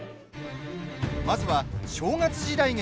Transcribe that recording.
まずは正月時代劇